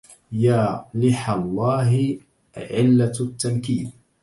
يا لحى الله علة التنكيد